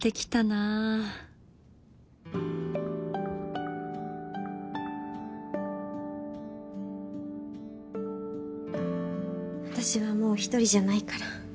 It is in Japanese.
あたしはもう一人じゃないから